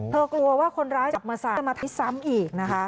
เธอกลัวว่าคนร้ายจากมศาลจะมาที่ซ้ำอีกนะคะ